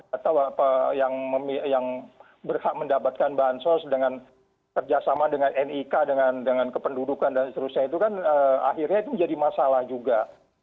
atau yang berhak mendapatkan bahan sos dengan kerjasama dengan nik dengan kependudukan dan seterusnya itu kan akhirnya itu menjadi masalah juga